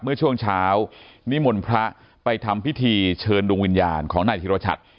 เมื่อช่วงเช้านิมนต์พระไปทำพิธีเชิญดวงวิญญาณของนายธิรชัด